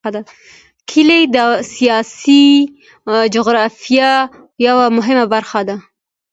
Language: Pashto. کلي د سیاسي جغرافیه یوه مهمه برخه ده.